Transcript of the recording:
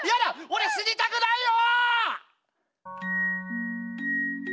俺死にたくないよ！